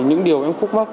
những điều em khúc mắt